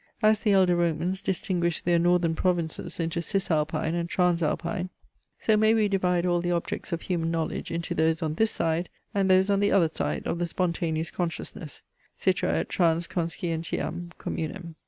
As the elder Romans distinguished their northern provinces into Cis Alpine and Trans Alpine, so may we divide all the objects of human knowledge into those on this side, and those on the other side of the spontaneous consciousness; citra et trans conscientiam communem.